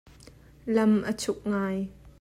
Lam a chuk ngai.